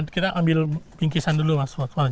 kita ambil bingkisan dulu mas waktu